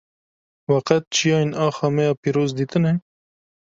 We qet çiyayên axa me ya pîroz dîtine?